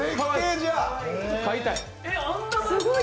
飼いたい。